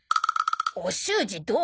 「お習字どう？」